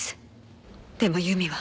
でも由美は。